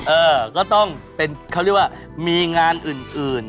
เออก็ต้องเป็นเขาเรียกว่ามีงานอื่น